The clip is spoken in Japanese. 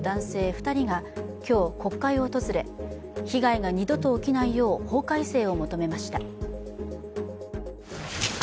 ２人が今日、国会を訪れ被害が二度と起きないよう法改正を求めました。